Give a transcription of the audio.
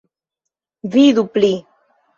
Vidu pli.